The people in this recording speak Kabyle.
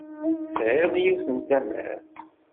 Tesɛiḍ yiwet n tamert.